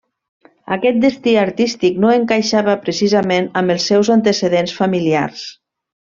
Aquest destí artístic no encaixava precisament amb els seus antecedents familiars.